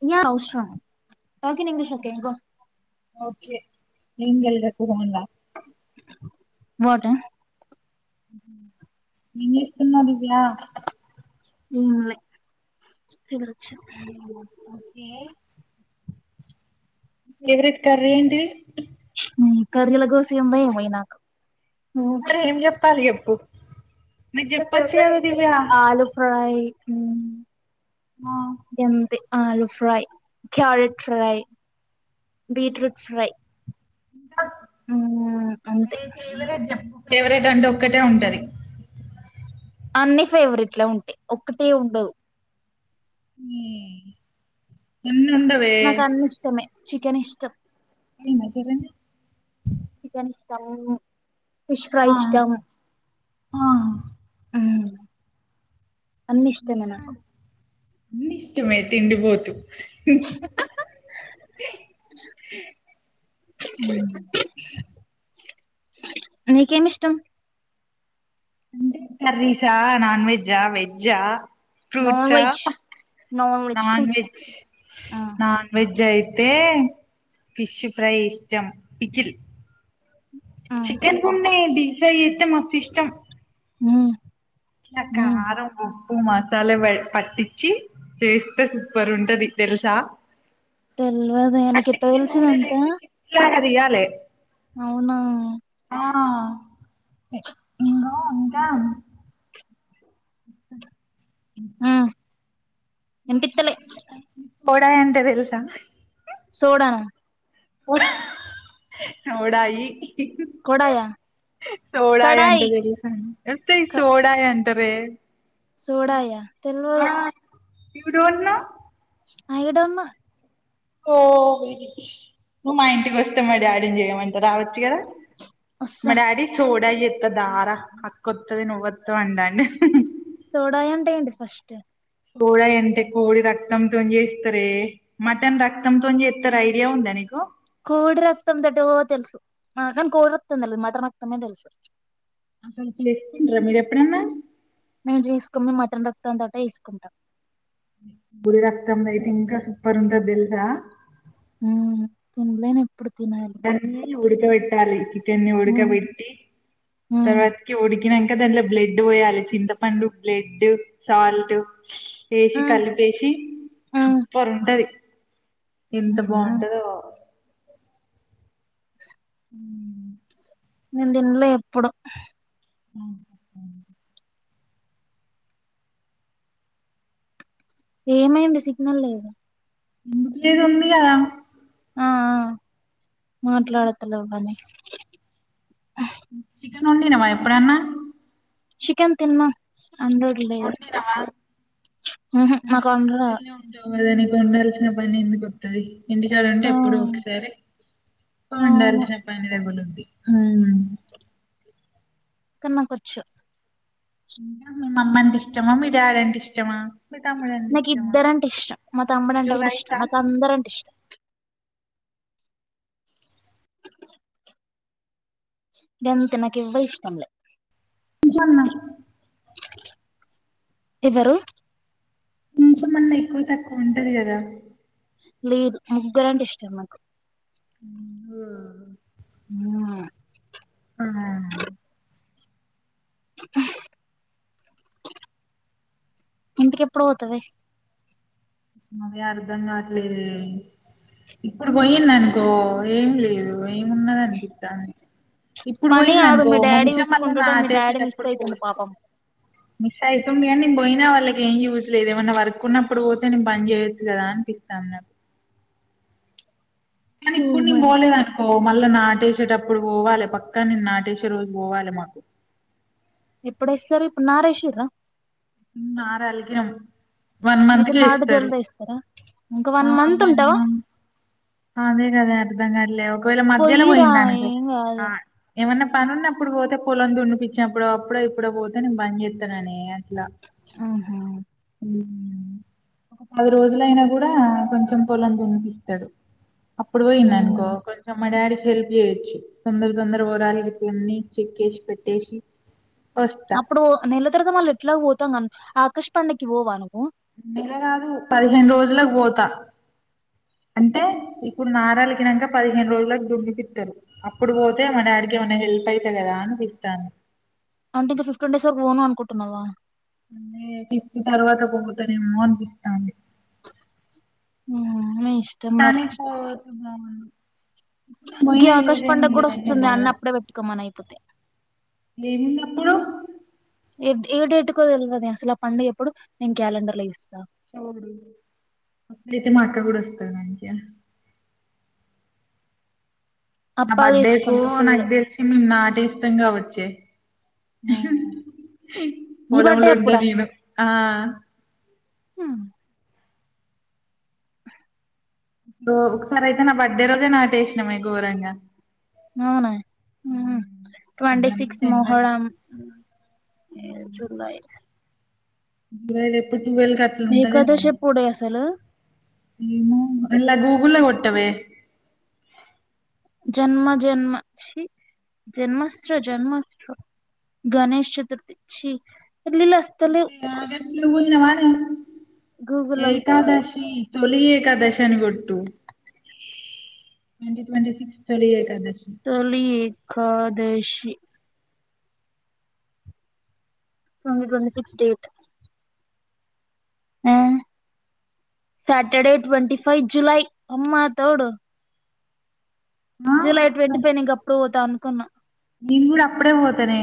[unintelligible] Talking English okay go okay [unintelligible] వాట ఏం జేస్తున్నావ్ దివ్యా ఏం లే తినొచ్చ ఓకే ఎవరెట్ కర్రీ ఏంటి కర్రీలో గోస ఏందో మరి నాకు మరే ఏం చెప్పాలి చెప్పు మీరు చెప్పొచ్చు కదా దివ్య ఆ, ఎంత ఆలు fry carrot fry beetroot fry అంతే ఫేవరేట్ అంటావ్ ఒకటే ఉంటంది అన్ని ఫేవరెట్ ఉంటాయి ఒకటే ఉండవు ఉ నాకు అన్ని ఇష్టమే చికెన్ ఇష్టం అయిందా చేరంది ఇష్టము ఫిష్ ఫ్రై ఇష్టం ఆ, అన్ని ఇష్టమే ఇంకా నాకు అన్ని ఇష్టమే తిండిపోతు ఆ హా ఉ నీకేమి ఇష్టం అ కర్రీసా నాన్ వెజ్ వెజ్జ fruits non veg non veg non veg అయితే అయితే ఫిష్ ఫ్రై ఇష్టం ఆ చికెన్ కు ఉన్నాయి డీప్ ఫ్రై చేస్తే మస్తు ఇష్టం ఉ చక్కగా కారం ఉప్పు ఉప్పు మసాలా పట్టించి చేస్తే సూపర్ ఉంటది తెలుసా తెలివదు ఆయనకి పట్టించి నూనె తెలిసినంత వేసి చిప్స్ లాగా తీయాలే అవునా ఆ ఉ అంటా ఉ ఇన్ పిత్తలే పోడాయి అంటే తెలుసా సోడాన ఓడాయి కొడాయా సోడాయ అంటే కడాయి తెలుసా ఈ సోడ అంట కర్రే సోడాయ తెలువదు ము don't know I don't know ఓ నువ్వు మా ఇంటికి వస్తా దాడిని చేయమంటా రావచ్చు కదా మా వస్సా డాడీ సోడా చెత్త దారా అక్కొత్తది నువ్వత్త వ్ అంటాండు సోడై అంటే ఏంటది ఫస్ట్ సోడై అంటే కోడి రక్తం తోనీ చేస్తారే మటన్ రక్తం తోని చేస్తారు ఐడియా ఉందా నీకు కోడి రక్తం బ్లడ్ ఓ తెలుసు కోడి రక్తం తెలువదు మటన్ రక్తమే తెలుసు అసలు చేసిర్రా మీరు ఎప్పుడన్నా మేము చేసుకుంటే మటన్ రక్తంతోటే చెసుకుంటాం గుడి రక్తందైతే ఇంకా సూపర్ ఉంటది తెలుసా మ్ తిన్లేను ఎప్పుడు తినాలి ఉడుకబెట్టాలి చికెన్ని ఉమ్ ఉడుకబెట్టి ఉమ్ తర్వాతకి ఉడి నాంక దంట్లో బ్లడ్ పోయాలి చింతపండు బ్లడ్ సాల్ట్ ఎసి ఉమ్ కలిపేసి ఉమ్ సూపర్ ఉంటది ఎంత ఉహు బాగుంటదో మ్ నేను తిన్లే ఎప్పుడు ఆ ఏమైంది సిగ్నల్ లేద ఎందుకు లేదు ఉంది కదా ఆ ఆ ఇంకా మాట్లోడుత లెవ్ కని చికెన్ ఓండినవా ఎప్పుడన్నా చికెన్ తిన్నా అండేది లేదు వండినవా మ్ హు అయినా నాకు అండరు హాస్టల్లో ఉంటావు కదా నీకు వండాల్సిన పని ఎందుకోత్తది ఇంటికాడుంటే ఎప్పుడో ఒకసారి ఆ అవును వండాల్సిన పని తగ్గులుద్ధి మ్ కన్ నాకొచ్చు ఇంకా మీ మమ్మంటే ఇష్టమా మీ డాడీ అంటే ఇష్టమ మీ తమ్ముడు అంటే నాకు ఇష్టమా ఇద్దరంటే ఇష్టం మా తమ్ముడంటే కూడా ఇష్టం నాకు అందరంటే ఇష్టం గంతే నాకు ఎవ్వల్ ఇష్టంలే కొంచెమన్నా ఎవరు కొంచమన్నా ఎక్కువ తక్కువ ఉంటది కదా లేదు ముగ్గురంటే ఇష్టం నాకు మ్ హు అవునా [inaudible] ఇంటికేప్పుడు పోతవె అదే అర్ధం కాట్లేదే ఇప్పుడు పోయిన్ననుకో ఏం లేదు ఏమున్నదనిపితంది ఇప్పుడు పని కాదు పోయిన్ననుకో మీ డాడీ మంచిగ మళ్ళా చూసుకుంటడు మీ డాడీ మిస్ నాటెసేటప్పుడు అయితుండు పోవచ్చు పాపం మిస్ అవుతుంది కాని నీను పోయినా వాళ్ళకి ఏం యూస్ లేదు ఏమన్నా వక్కున్నప్పుడు పో తే నిను పని చేయొచ్చు కదా అనిపితాంది నాకు కానీ ఓ ఇప్పుడు నీను మరి పోలేదనుకో మళ్ళా నాటేసేటప్పుడు పోవాలే పక్కా నేను నాటేసే రోజు పోవాలే మాకు ఎప్పుడేస్తారు ఇప్పుడు నారేసిర్ర నారల్కినం వన్ మంత్ అయితే నాటు కేస్తారు జల్ది ఏస్తారా ఇంక ఆ మంత్ వన్ ఉంటవా మంత్ అదే కద అర్ధం కాట్లే ఒకవేళ మధ్యల పొయ్యిరా పోయిందనుకో ఏం ఆ కాదు ఏమన్నా పని ఉన్నప్పుడు పోతే పొలం దున్నిపిచ్చినప్పుడో అప్పుడో ఇప్పుడో పోతే నేను బన్ చేత్తననే అట్లా ఆహా ఒక పది రోజులైనా కూడా కొంచెం పొలం దున్నిపిత్తడు అప్పుడు మ్మ్ పోయిండనుకో కొంచెం మ డాడీ హెల్ప్ చేయొచ్చు తొందర తొందరపోవడానికి కొన్ని చెక్ చెసి పెట్టేసి వస్తా అప్పుడూ నెల తర్వాత మళ్ళ ఎట్లాగొ పోతాం గని ఆకాష్ పండక్కి పోవా నువ్ నెల గాదు పదిహేను రోజులకి పోతా. అంటే ఇప్పుడు నాడాలకిినింక పదిహేను రోజులకి దున్నితిప్పుత్తరు అప్పుడు పోతే మా డాడీ కి ఏమైన హెల్ప్ అయితే కదా అనిపిస్తాంది. అంటే ఇంక ఫిఫ్టీన్ డేస్ వరకు పోను అనుకుంటున్నావా అన్నే ఫిఫ్త్ తర్వాత పోతనేమో అనిపిస్తాంది ఆ మే కాని పోతున్నాం గే ఆగస్ట్ పండుగ క్కూడా ఉండదన్న వస్తుంది బాధ అన్నీ అప్పుడే పెట్టుకోమని అయిపోతే ఏముంది అప్పుడు ఏ డేట్ కో తెల్వదె అసలు ఆ పండుగ ఎప్పుడు నేను క్యాలెండర్ లో చూస్తా అట్లైతే మా అక్క గూడా వస్తది మంచి గ నా అప్పాలు బర్త్డే కు చేసుకుంటారు ఫుల్ నాకు తెలిసి మిర్ నాటి ఇష్టం గ వచ్చే నీ పోలం బర్త్డే లో ఉంటనేను ఆ మ్ ఒకసారి అయితే నా బర్త్డే రోజే నాటేసషినమె ఘోరంగాఘ అవునా ఉమ్ ట్వంటి పొద్దున సిక్స్ ఎండల మోహరం జూలై బ్రైడెప్పు వీళకట్ల ఏకాదశి ఉంటదేమొనె ఎప్పుడే అసలు [unintelligible] ఊళ్ళొ కొట్టవే జన్మ జన్మ చి జన్మాశ్ర జన్మాష్ట్ర గణష్ చతుర్థీ ఛ్ఛీ ఇంక ఆగష్టు లో ఉన్నవానె గూగుల్లో చూస్తావు ఏకాదశి తొలి ఏకాదశి అని కొట్టు ట్వంటి ట్వంటీ సిక్స్ చొలి ఏకాదశ Tholi Ekadashi twenty twenty sixty eight Saturday twenty five July అమ్మా తోడు ఆ జూలై ట్వంటీ ఫైవ్ ని ఇంక అప్పుడు పోతా అనుకున్నా నేను కూడా అప్పుడే పోతానే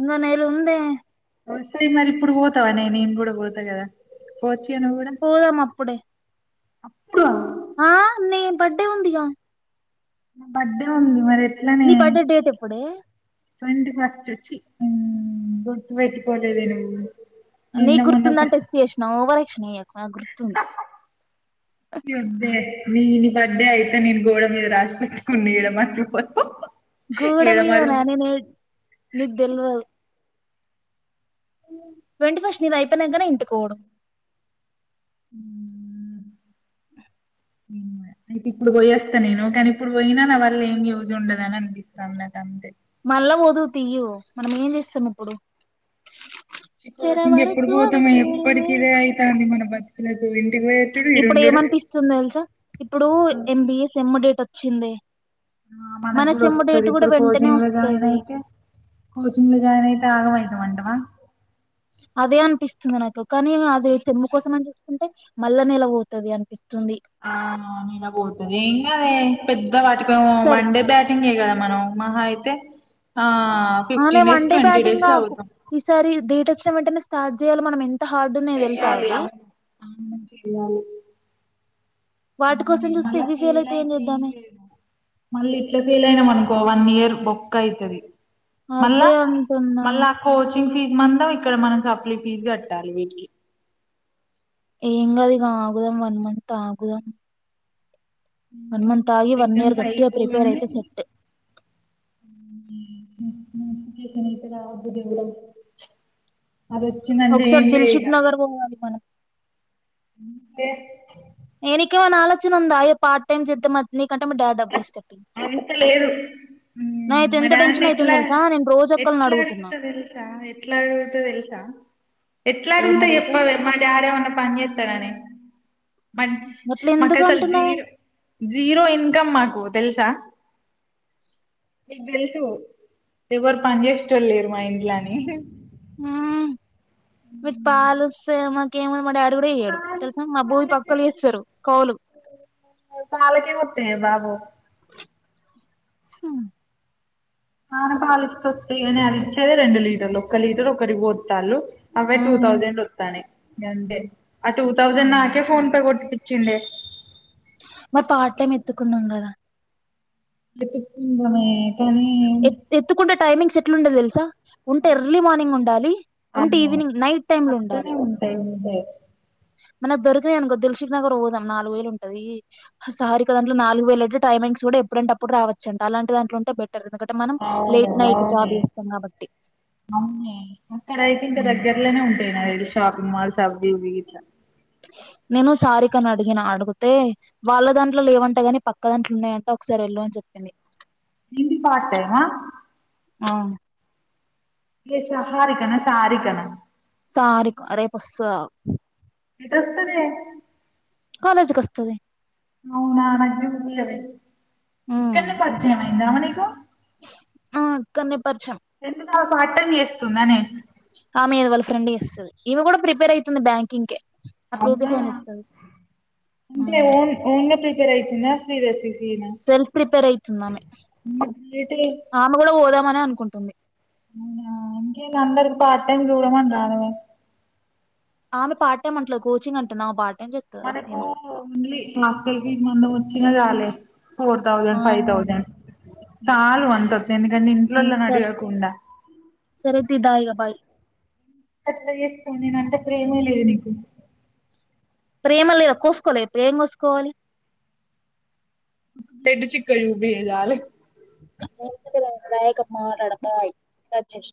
ఇంకా నెల ఉందే ఒసేయ్ మరి ఇప్పుడు పోతావానే నేను కూడా పోతా కదా పోవచ్చ పోదాం అప్పుడే అప్పుడా ఆ నే బర్డె ఉంది గ బర్డే ఉంది మరి ఎట్లనే నీ బర్డే డేట్ ఎప్పుడే ట్వంటీ ఫస్ట్ ఛ్చి మ్ గుర్తుపెట్టుకో లేదే నువ్వు నీ నిన్న గుర్తుందని టెస్ట్ చేషిన ఓవరేక్షన్ ఎయ్యకు ఎబ్బె నేను బర్త్డే అయితే నేను గోడ మీద రాసి పెట్టుకుని ఇడ మర్పో గోడ మీద నానే నే నీకు దెల్వదు అవు ట్వంటి ఫస్ట్ నీద అయిపోయినాక గాని ఇంత కూడదు ఉ మే మేఘమే ఇప్పుడు పోయేస్తా నేను కానీ ఇప్పుడు పోయినా నా వల్ల ఏం యూస్ ఉండదని అనిపిస్తున్నాది నాకు అంతే మళ్ళా పోదువు తీయుయు మనం ఏం చేస్తాం ఇప్పుడు తెర ఇంక వరకు ఎప్పుడుకి పోతామ వరకు వరకు ఎప్పటికి ఇదే అయి తంది మన బతుకులకు ఇంటికి పోయేటప్పుడు ఇప్పుడు ఇడుండు ఏమనిపిస్తుంది తెల్సా ఇప్పుడు ఎంబిఎస్ సేమ్ డేట్ వచ్చింది ఆ మనకు మన గూడా సెమ్ వస్తది డేట్ కూడా ఇప్పుడు వెంటనే కోచింగ్ లో జాయిన్ వస్తది అయితే కోచింగ్ లో జాయిన్ అయితే ఆగమయిత మంటవా అదే అనిపిస్తుంది నాకు కానీ అది చెనుము కోసం అని చూసుకుంటే మళ్లా నేల పోతది అనిపిస్తుంది ఆ నలా పోతది ఏం గాదే పెద్ద వాటిక సరే వన్ డే బ్యాటింగ్ గదా మనం మహా అయితే ఆ ఆనే fifteen days one day twenty days బ్యాటింగ్కు అవుతాం ఈసారి డేట్ వచ్చిన వెంటనే స్టార్ట్ చేయాలి మనం ఎంత ఎంత హార్డు ఉన్నాయో తెలుస చెయ్యాలి అవి అవును అవును చెయ్యాలి వాటి కోసం చూస్తే మళ్ళా ఇవి ఫెయిల్ ఫెల్ అయితే ఏం అయితేం చేద్దామే లేదు మళ్ళీ ఇట్లా ఫెల్ అయినాం అనుకో వన్ ఇయర్ మొక్క అయితది మళ్ళ అదే అంటున్నా మళ్ళ కోచింగ్ ఫీజ్ మందం ఇక్కడ మనం సప్లీ ఫీజ్ కట్టాలి వీటికి ఏం కాదు ఇగా ఆగుదాం వన్ మంత్ ఆగుదాం వన్ మంత్ ఆగి వన్ ఇయర్ ఎగ్జామ్స్ గట్టిగా ప్రిపేర్ అయిపోగానే అయితే సెట్ తే రావద్దు దేవుడా అది వచ్చి నంటే ఒకసారి ఏంలే దిల్షుక్ ఇగా నగర్ పోవాలి మనం ఉంటే నీ కెఎమ్నా అ ఆలోచన ఉందాయా పార్ట్ టైమ్ చేద్ద మీ నీ కంటే డాడ డబ్బు ఇస్త అంత లేదు మ్ నాకైతే మా ఎంత డాడీన్ని టెన్షన్ అవుతుంది ఎట్లా తెలుసా నేను రోజు ఒక్కళ్ళని ఎట్లా అడుగుతున్నా ఆడుగూత తెల్సా ఎట్లా ఆడుగూత తెల్సా ఎట్లా ఏం ఆడుగుంటా అడుగుతావు చెప్పావే మా డాడేమన్నా పని చేస్తాడానే మ అట్లా మాక్ ఎందుకు అసలు అంటున్నావే జీరో జీరో ఇన్కమ్ మాకు తెలుసా నీకు తెెలుసు ఎవరు పని చేసేటోలు లేరు మా ఇంట్లాఅని మ్ మీకు పాలు వస్తాయి మాకేమో మా డాడ్ కూడా ఇయ్యడు తెలుసా మా భూమి పక్కోలు చేస్తారు కౌలు ఎ బాబు హ అనాన పాలిస్తాయి అని అది ఇచ్చేది రెండు లీటర్లు ఒక్క లీటర్ ఒకటి బొతా ఉన్నాళ్ళు అవే టూ థౌసండ్ వస్తా అనే గంతే ఆ టూ థౌసండ్ నాకే మ్మ్. ఫోన్ పే కొట్టిచ్చిండె మరి పార్ట్ టైం ఎత్తుకుందాం గదా ఎత్తుకుందామే ఎ ఎత్తుకుంటే టైమింగ్స్ ఎట్లు ఉండది తెలుసా ఉంటే ఎర్లీ మార్నింగ్ ఉండాలి ఉంటే అదే ఈవినింగ్ నైట్ టైమ్ లో ఉండాలి అట్లనే ఉంటాయి ఉంటాయి [inaudible] మనకు దొరికినాది అనుకో దిల్సికనగర్ పోదాం నాలుగు వేలు ఉంటుంది సారిక దాంట్లో నాలుగు వేలు అంటే టైమింగ్స్ కూడా ఎప్పుడంటప్పుడు రావచ్చ అంట అలాంటి దాంట్లో ఉంటే బెటర్ ఎందుకంటే మనం అవును లేట్ నైట్ జాబ్ అవునే చేస్తాం కాబట్టి అవునే అక్కడ అయితే ఇంకా దగ్గరలోనే ఉంటాయి నా షాపింగ్ మాల్స్ అవి గివి ఇట్లా [inaudible] నేను సారికని అడిగిన అడిగితే వాళ్ళ దాంట్లో లే ఏవంటగాని పక్క దాంట్లో ఉన్నాయంటే ఒకసారి ఎళ్ళు చెప్పడి నంద పాట్ట ఆ ఏ సహారికనా సారికన్నా సారికా రెప్ వస్తద అటువస్తదే కాలేజ్ కి వస్తంది అవునా నాక్ చూపియవే ఉమ్ ఇకనే పరిచయం అయిందా ఆమె నీకు ఇకడ్నే పరిచయం ఎందుకు పార్ట్ టైమ్ చేస్తుందా నే మీదవల ఫ్రెండ్ చేస్తది ఇవి కూడా ప్రిపేర్ అవుతుంది బ్యాంకింగ్ కే అట్లా అవున ఊకే ఫోన్ చేస్తది అంటే ఓన్ ఓన్గా ప్రిపేర్ అయితుంద [unintelligible] సెల్ఫ్ ప్రిపేర్ అయితున్నామే గ్రేటే ఆమె కూడా పోదాం అనే అనుకుంటుంది అవున ఇంకేం అందరు పార్ట్ టైం చూడమని అన్రదే ఆమె పార్ట్ టైమ్ అంటలో కోచింగ్ అంటున్నా పా మనకు ఉలీ క్లాస్ల్కి మందం వచ్చినా రాలే ఫోర్ ఆ థౌజండ్ ఫైవ్ థౌజండ్ చాలు వంతవుతుాయి ఎందుకంటే ఉమ్ ఇంట్లోల్లో సరే అడిగకుండా సరే తి దఇగ అ ఎస్త నేను అంటె ప్రేమే లేదు నీకు ప్రేమ లేదా కోసుకోవాలి ప్రేమ కోసుకోవాలి పిడ్ చ కజు బజాల న రక మాట్లాడ బాయ్ కట్ చేసిన